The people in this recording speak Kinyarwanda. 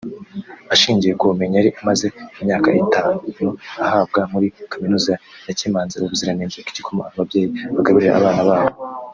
Ashingiye ku bumenyi yari amaze imyaka itanu ahabwa muri kaminuza yakemanze ubuziranenge bw’igikoma ababyeyi bagaburira abana babo